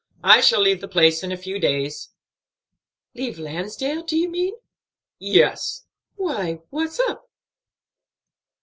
I shall leave the place in a few days." "Leave Lansdale, do you mean?" "Yes." "Why, what's up?"